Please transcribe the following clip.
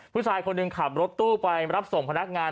ผู้ชายคนหนึ่งขับรถตู้ไปรับส่งพนักงาน